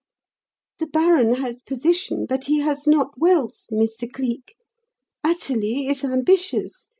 The baron has position but he has not wealth, Mr. Cleek. Athalie is ambitious.